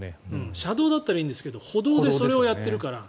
車道だったらいいんですけど歩道でそれをやっているから。